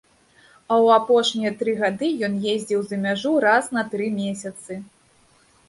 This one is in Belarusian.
А ў апошнія тры гады ён ездзіў за мяжу раз на тры месяцы.